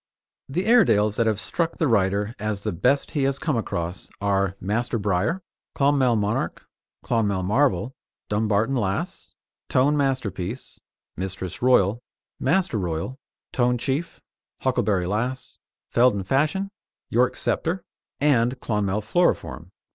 The Airedales that have struck the writer as the best he has come across are Master Briar, Clonmel Monarch, Clonmel Marvel, Dumbarton Lass, Tone Masterpiece, Mistress Royal, Master Royal, Tone Chief, Huckleberry Lass, Fielden Fashion, York Sceptre and Clonmel Floriform.